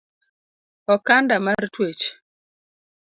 Okanda mar twech